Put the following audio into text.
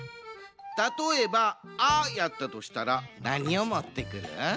たとえば「あ」やったとしたらなにをもってくる？